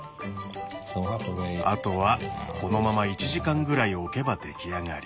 あとはこのまま１時間ぐらいおけば出来上がり。